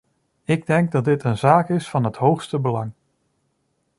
Ik denk dat dit een zaak is van het hoogste belang.